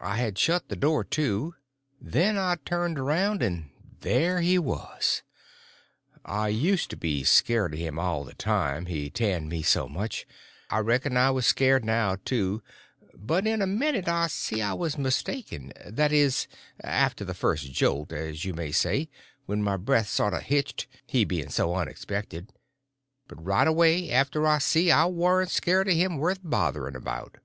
I had shut the door to. Then I turned around and there he was. I used to be scared of him all the time, he tanned me so much. I reckoned I was scared now, too; but in a minute I see I was mistaken—that is, after the first jolt, as you may say, when my breath sort of hitched, he being so unexpected; but right away after I see I warn't scared of him worth bothring about.